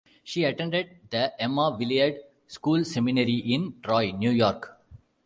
She attended the Emma Willard School Seminary in Troy, New York.